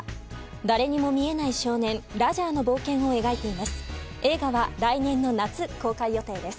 誰にも見えない少年ラジャーの冒険を描いています。